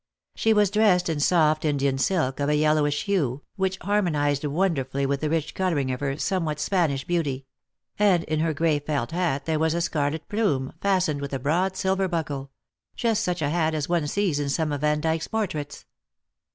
She was dressed in soft Indian silk, of a yellowish hue, which harmonised wonderfully with the rich colouring of her somewhat Spanish beauty ; and in her gray felt hat there was a scarlet plume, fastened with a broad silver buckle — just such a hat as one sees in some of Vandyke's portraits.